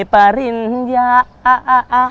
ปริญญา